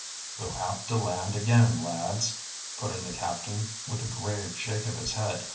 "We'll have to land again, lads," put in the captain, with a grave shake of his head.